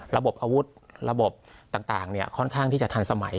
ระบบอาวุธระบบต่างค่อนข้างที่จะทันสมัย